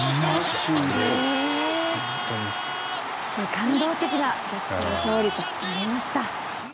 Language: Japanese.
感動的な逆転勝利となりました。